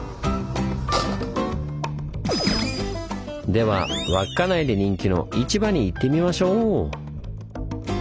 では稚内で人気の市場に行ってみましょう！